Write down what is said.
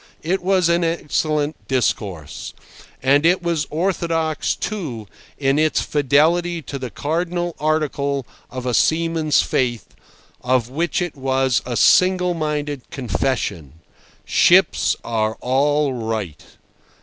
It was an excellent discourse. And it was orthodox, too, in its fidelity to the cardinal article of a seaman's faith, of which it was a single minded confession. "Ships are all right."